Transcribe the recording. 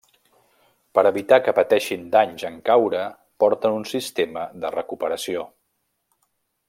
Per evitar que pateixin danys en caure, porten un sistema de recuperació.